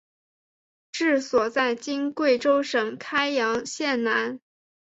治所在今贵州省开阳县南。